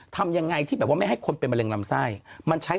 ทำยังไงที่แบบว่าไม่ให้คนเป็นมะเร็งลำไส้มันใช้